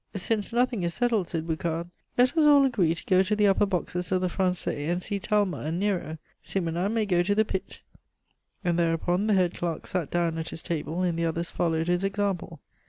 "Since nothing is settled," said Boucard, "let us all agree to go to the upper boxes of the Francais and see Talma in 'Nero.' Simonnin may go to the pit." And thereupon the head clerk sat down at his table, and the others followed his example.